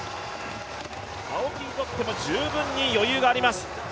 青木にとっても十分に余裕があります。